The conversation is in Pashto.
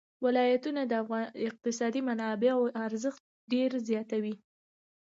ولایتونه د اقتصادي منابعو ارزښت ډېر زیاتوي.